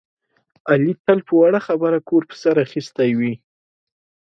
علي تل په وړه خبره کور په سر اخیستی وي.